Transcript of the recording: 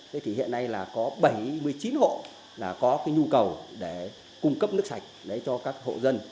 thế thì hiện nay là có bảy mươi chín hộ là có cái nhu cầu để cung cấp nước sạch cho các hộ dân